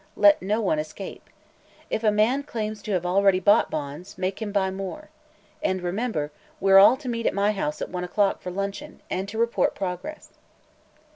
Let no one escape. If any man claims to have already bought bonds, make him buy more. And remember, we're all to meet at my house at one o'clock for luncheon, and to report progress."